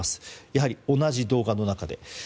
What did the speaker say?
やはり同じ動画の中で。